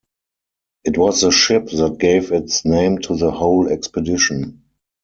It was the ship that gave its name to the whole expedition.